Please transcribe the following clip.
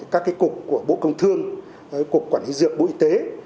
các cục của bộ công thương cục quản lý dược bộ y tế